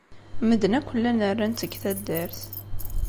Medden akk llan ran-tt deg taddart.